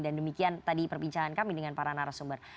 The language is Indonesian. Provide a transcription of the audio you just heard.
dan demikian tadi perbincangan kami dengan para narasumber